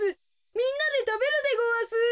みんなでたべるでごわす。